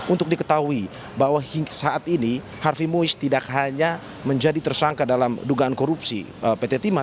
untuk diketahui bahwa saat ini harvey muiz tidak hanya menjadi tersangka dalam dugaan korupsi pt timah